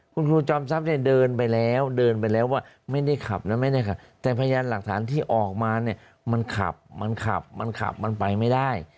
คุณครูจอมซับเดินไปแล้วว่าไม่ได้ขับน่ะแต่พญาหลักฐานที่ออกมามันขับมันขับมันไปไม่ได้